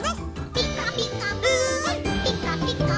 「ピカピカブ！ピカピカブ！